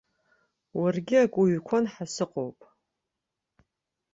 Уаргьы ак уҩқәон ҳәа сыҟоуп.